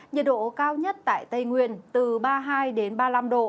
nhiệt độ cao nhất tại tây nguyên từ ba mươi hai ba mươi năm độ